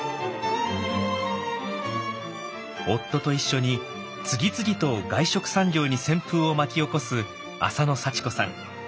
夫と一緒に次々と外食産業に旋風を巻き起こす淺野幸子さん。